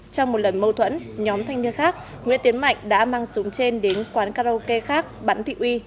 trong một lần mâu thuẫn nhóm thanh niên khác nguyễn tiến mạnh đã mang súng trên đến quán karaoke khác bắn thị uy